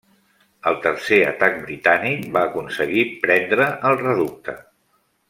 El tercer atac britànic va aconseguir prendre el reducte.